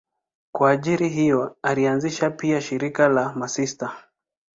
Kwa ajili hiyo alianzisha pia shirika la masista.